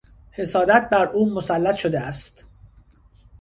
حسادت بر او مسلط شده است.